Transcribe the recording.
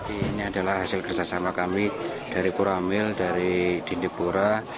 ini adalah hasil kerjasama kami dari puramil dari dindigora